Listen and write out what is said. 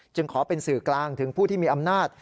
ขอเป็นสื่อกลางถึงผู้ที่มีอำนาจ